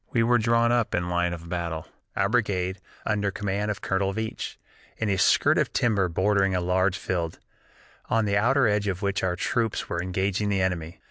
"We were drawn up in line of battle, our brigade, under command of Colonel Veatch, in a skirt of timber bordering a large field, on the outer edge of which our troops were engaging the enemy.